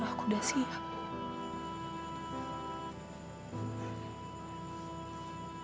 sekarang aku udah siap